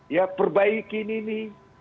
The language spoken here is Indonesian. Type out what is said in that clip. ya perbaiki ini